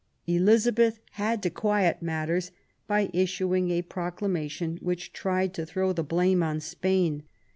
Elizabeth had to quiet matters by issuing a proclamation which tried to throw the blame on Spain.